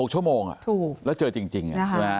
๖ชั่วโมงแล้วเจอจริง